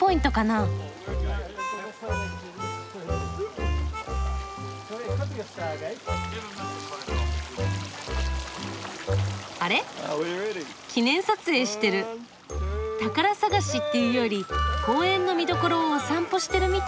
宝探しっていうより公園の見どころをお散歩してるみたいだね。